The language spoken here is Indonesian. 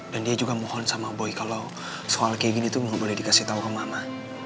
dan dia juga mohon sama boy kalau soal kayak gini tuh gak boleh dikasih tau ke mama